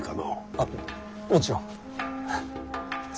あっもちろん。